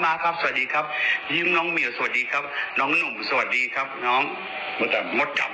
อะไรก็เหนื่อยก็ขอให้รู้ว่าเป็นของขวัญของคนดูแล้วกันนะครับ